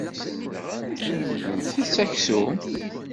Ntett aksum.